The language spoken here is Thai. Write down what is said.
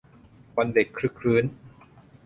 วันเด็กครึกครื้น